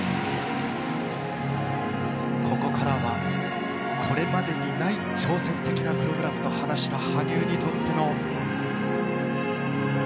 ここからはこれまでにない挑戦的なプログラムと話した羽生にとっての。